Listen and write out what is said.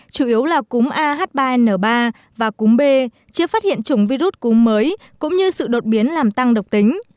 chủ yếu là cúm ah ba n ba và cúm b chưa phát hiện chủng virus cúm mới cũng như sự đột biến làm tăng độc tính